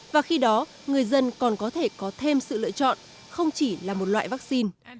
và khi đó người dân còn có thể có thêm sự lựa chọn không chỉ là một loại vaccine